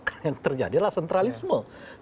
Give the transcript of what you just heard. karena yang terjadi adalah sentralisme